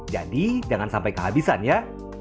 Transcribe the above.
jadi jangan sampai kehabisan ya